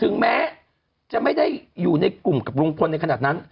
ถึงแม้จะไม่ได้อยู่ในกลุ่มกับลุงพลในขณะนั้น